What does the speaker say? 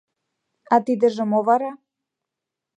— А тидыже мо вара?